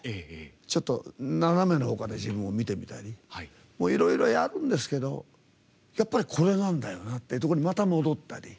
ちょっと斜めのほうから自分を見てみたりいろいろやるんですけどやっぱり、これなんだよなっていうところにまた戻ったり。